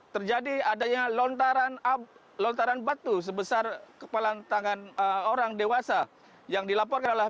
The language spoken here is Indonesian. terjadi adanya lontaran abu lontaran batu sebesar kepala tangan orang dewasa yang dilaporkan oleh